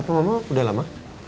apa mama udah lama